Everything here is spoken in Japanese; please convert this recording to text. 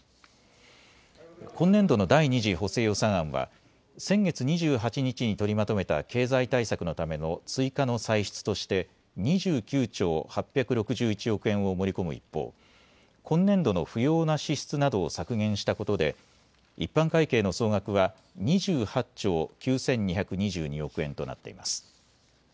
今年度の第２次補正予算案は先月２８日に取りまとめた経済対策のための追加の歳出として２９兆８６１億円を盛り込む一方、今年度の不用な支出などを削減したことで一般会計の総額は２８兆９２２２億円となっています。